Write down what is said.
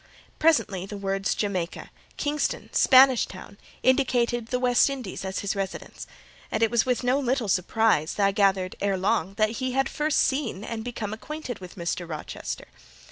Presently the words Jamaica, Kingston, Spanish Town, indicated the West Indies as his residence; and it was with no little surprise I gathered, ere long, that he had there first seen and become acquainted with Mr. Rochester.